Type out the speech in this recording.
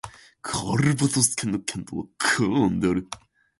カルヴァドス県の県都はカーンである